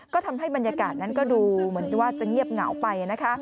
ก็ทำให้บรรยากาศนั้นก็ดูเหมือนว่าจะเงียบเหงาไปนะคะ